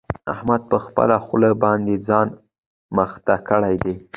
احمد په خپله خوله باندې ځان مخته کړی دی.